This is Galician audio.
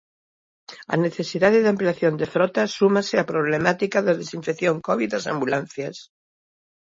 Á necesidade de ampliación de frota súmase a problemática da desinfección covid das ambulancias.